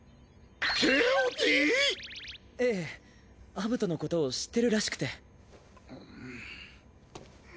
えぇアブトのことを知ってるらしくて。